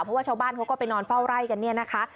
เพราะว่าชาวบ้านเขาก็ไปนอนเฝ้าไร่กันเนี่ยนะคะ